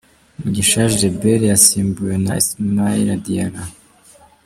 Mugisha Gilbert yasimbuwe na Ismaila Diarra .